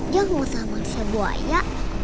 dia mau sama si buaya